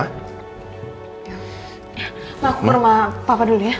ma aku ke rumah papa dulu ya